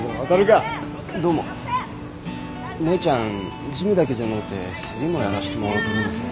姉ちゃん事務だけじゃのうてセリもやらしてもろうとるんですね。